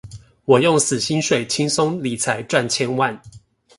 我用死薪水輕鬆理財賺千萬